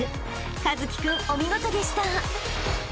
一輝君お見事でした］